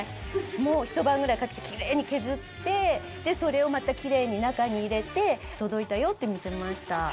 もうひと晩ぐらいかけてきれいに削ってそれをまたきれいに中に入れて届いたよって見せました。